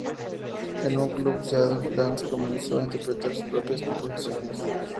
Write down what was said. En un club de Seattle, Lanz comenzó a interpretar sus propias composiciones.